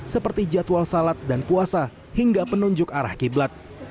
seperti jadwal salat dan puasa hingga penunjuk arah qiblat